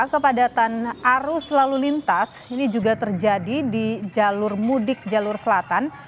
kepadatan arus lalu lintas ini juga terjadi di jalur mudik jalur selatan